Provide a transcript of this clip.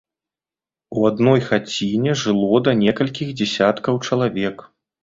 У адной хаціне жыло да некалькіх дзесяткаў чалавек.